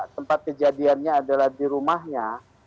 tempat kejadiannya adalah di rumahnya